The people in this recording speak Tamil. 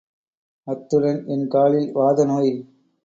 அத்துடன் என் காலில் வாதநோய்.